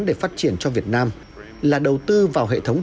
để phát triển cho việt nam là đầu tư vào hệ thống